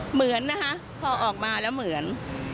เหมือนนะคะพอออกมาแล้วเหมือน